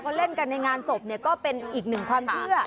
เขาเล่นกันในงานศพเนี่ยก็เป็นอีกหนึ่งความเชื่อ